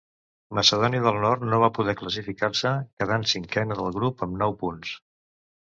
Macedònia del Nord no va poder classificar-se, quedant cinquena del grup amb nou punts.